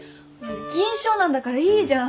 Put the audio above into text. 銀賞なんだからいいじゃん。